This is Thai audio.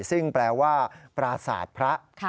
ซึ่งแปลว่าปราสาทพระ